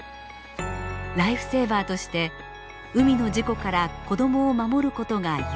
ライフセーバーとして海の事故から子どもを守ることが夢でした。